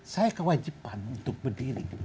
saya kewajiban untuk berdiri